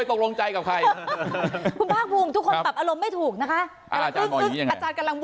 ไม่ถูกนะค่ะสามารถบูกเป็นไม่ถูกแบบค่ะ